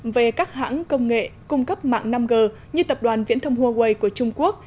về các hãng công nghệ cung cấp mạng năm g như tập đoàn viễn thông huawei của trung quốc